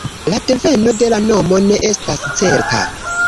La deveno de la nomo ne estas certa.